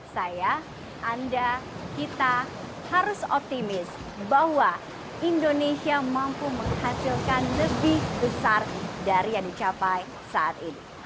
saya anda kita harus optimis bahwa indonesia mampu menghasilkan lebih besar dari yang dicapai saat ini